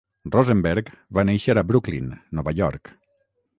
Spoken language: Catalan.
Rosenberg va néixer a Brooklyn, Nova York.